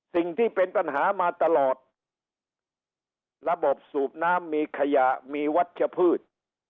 สิ่งที่เป็นปัญหามาตลอดระบบสูบน้ำมีขยะมีวัชพืช